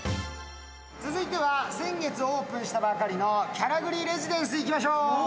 続いては先月オープンしたばかりのキャラグリレジデンスいきましょう。